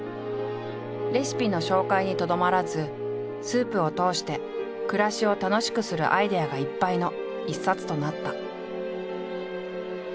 レシピの紹介にとどまらずスープを通して暮らしを楽しくするアイデアがいっぱいの一冊となった。